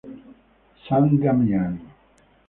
San Damiano